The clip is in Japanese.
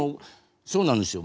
そうなんですよ。